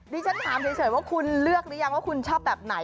ฉันถามเฉยว่าคุณเลือกหรือยังว่าคุณชอบแบบไหน